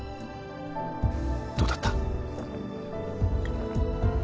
どうだった？